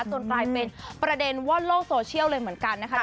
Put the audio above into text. จนกลายเป็นประเด็นว่าโลกโซเชียลเลยเหมือนกันนะคะ